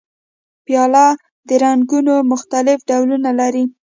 پیاله د رنګونو مختلف ډولونه لري.